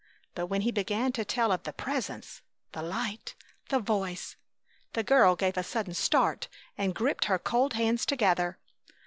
But when he began to tell of the Presence, the Light, the Voice, the girl gave a sudden start and gripped her cold hands together.